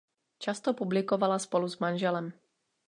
Často publikovala spolu s manželem.